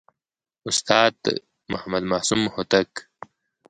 استاد محمد معصوم هوتک